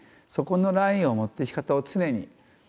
そこのラインの持っていき方を常に。